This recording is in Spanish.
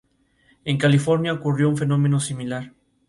En California ocurrió un fenómeno similar.